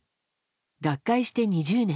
脱会して２０年。